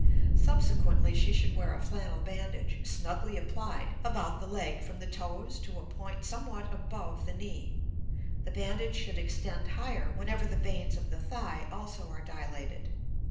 Subsequently she should wear a flannel bandage, snugly applied, about the leg from the toes to a point somewhat above the knee; the bandage should extend higher whenever the veins of the thigh also are dilated.